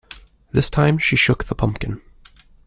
This time she shook the pumpkin.